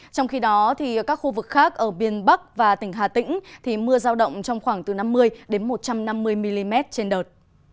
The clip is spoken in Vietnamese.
trong khi đó các khu vực khác ở biên bắc và tỉnh hà tĩnh mưa giao động trong khoảng từ năm mươi đến một trăm năm mươi mm trên đợt